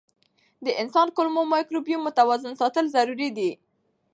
د انسان کولمو مایکروبیوم متوازن ساتل ضروري دي.